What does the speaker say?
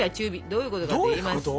どういうことかといいますと。